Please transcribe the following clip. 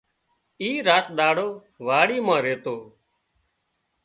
اي راچ ۮاڙو واڙي مان ريتو